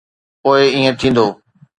پوءِ ائين ٿيندو.